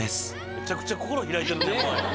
めちゃくちゃ心開いてるね